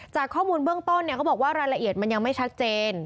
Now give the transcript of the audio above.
จากข้อมูลเบื้องต้นเขาบอกว่ารายละเอียดมันยังไม่ชัดเจน